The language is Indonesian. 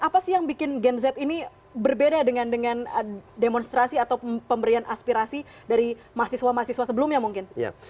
apa sih yang bikin gen z ini berbeda dengan demonstrasi atau pemberian aspirasi dari mahasiswa mahasiswa sebelumnya mungkin